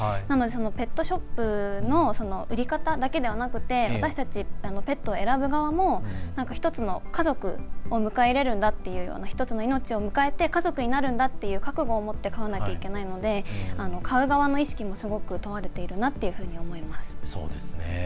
なので、ペットショップの売り方だけではなくて私たち、ペットを選ぶ側の家族を迎え入れるんだという１つの命を迎えて家族になるんだって覚悟を持って飼わなきゃいけないので飼う側の意識もすごく問われているなと思います。